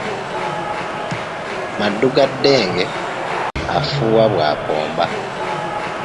Maddu ga ddenge, afuuwa bwakomba.